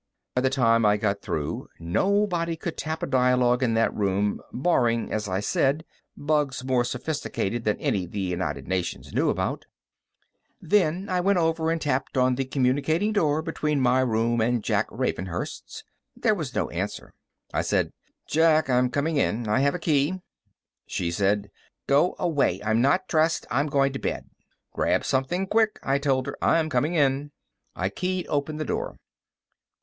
By the time I got through, nobody could tap a dialogue in that room, barring, as I said, bugs more sophisticated than any the United Nations knew about. Then I went over and tapped on the communicating door between my room and Jack Ravenhurst's. There was no answer. I said, "Jack, I'm coming in. I have a key." She said, "Go away. I'm not dressed. I'm going to bed." "Grab something quick," I told her. "I'm coming in." I keyed open the door.